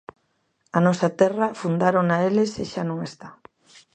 A Nosa Terra fundárona eles e xa non está.